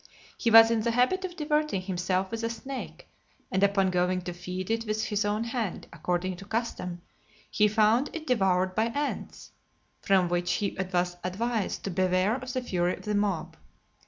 He was in the habit of diverting himself with a snake, and upon going to feed it with his own hand, according to custom, he found it devoured by ants: from which he was advised to beware of the fury of the mob.